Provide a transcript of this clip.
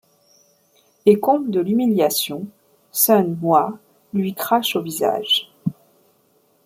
Et comble de l'humiliation, Sun-hwa lui crache au visage...